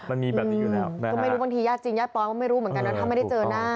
ก็ไม่รู้บางทียาดจริงยาดปลอดภัยไม่รู้เหมือนกันนะถ้าไม่ได้เจอหน้า